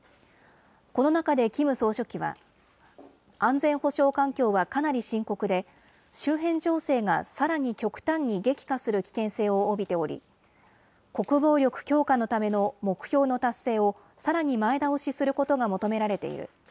この中でキム総書記は、安全保障環境はかなり深刻で、周辺情勢がさらに極端に激化する危険性を帯びており、国防力強化のための目標の達成をさらに前倒しすることが求められている。